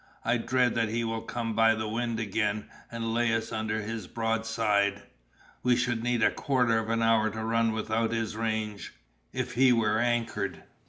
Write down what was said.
I dread that he will come by the wind again, and lay us under his broadside; we should need a quarter of an hour to run without his range, if he were anchored!"